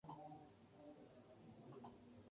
La capital del condado es Morristown.